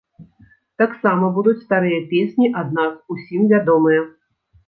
Таксама будуць старыя песні ад нас, усім вядомыя.